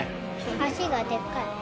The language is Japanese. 足がでっかい。